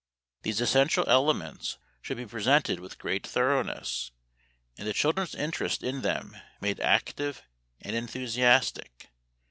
These essential elements should be presented with great thoroughness, and the children's interest in them made active and enthusiastic.